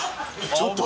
ちょっと！